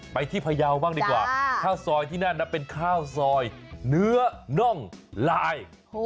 ไปที่พยาวบ้างดีกว่าข้าวซอยที่นั่นนะเป็นข้าวซอยเนื้อน่องลาย